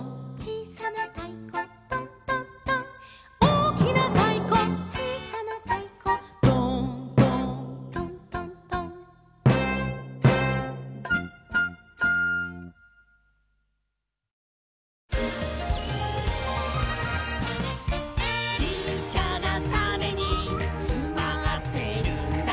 「おおきなたいこちいさなたいこ」「ドーンドーントントントン」「ちっちゃなタネにつまってるんだ」